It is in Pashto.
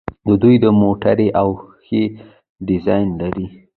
د دوی موټرې اوس ښه ډیزاین لري.